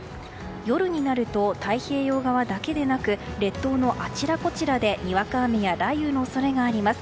夜になると太平洋側だけでなく列島のあちらこちらでにわか雨や雷雨の恐れがあります。